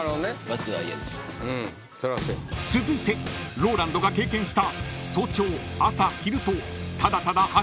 ［続いてＲＯＬＡＮＤが経験した］